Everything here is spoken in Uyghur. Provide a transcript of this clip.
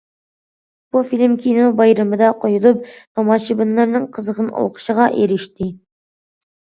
بۇ فىلىم كىنو بايرىمىدا قويۇلۇپ، تاماشىبىنلارنىڭ قىزغىن ئالقىشىغا ئېرىشتى.